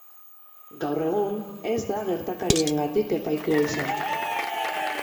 Gaur egun, ez da gertakariengatik epaitua izan.